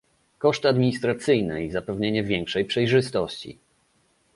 koszty administracyjne i zapewnienie większej przejrzystości